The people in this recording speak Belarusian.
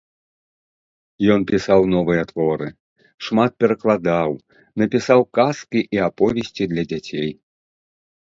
Ён пісаў новыя творы, шмат перакладаў, напісаў казкі і аповесці для дзяцей.